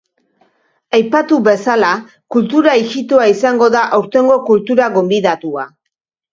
Aipatu bezala, kultura ijitoa izango da aurtengo kultura gonbidatua.